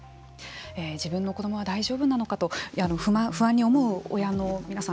自分の子どもは大丈夫なのかと不安に思う親の皆さん